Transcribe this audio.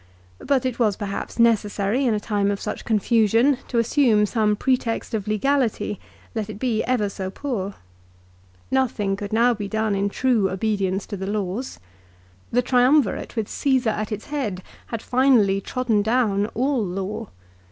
But it was perhaps necessary, in a time of such confusion, to assume some pretext of legality, let it be ever so poor. Nothing could now be done in true obedience to the laws. 264 LIFE OF CICERO. The Triumvirate with Caesar at its head had finally trodden down all law.